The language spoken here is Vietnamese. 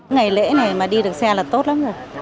ngày lễ này mà đi được xe là tốt lắm rồi